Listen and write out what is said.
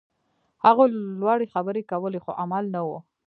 هغوی لوړې خبرې کولې، خو عمل نه و.